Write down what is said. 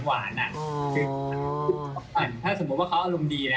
คือถ้าสมมุติว่าเขาอารมณ์ดีนะ